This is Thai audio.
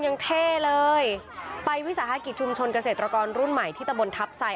เท่เลยไปวิสาหกิจชุมชนเกษตรกรรุ่นใหม่ที่ตะบนทัพไซ